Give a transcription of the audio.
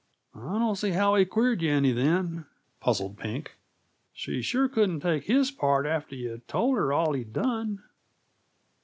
"I don't see how he queered yuh any, then," puzzled Pink. "She sure couldn't take his part after you'd told her all he done."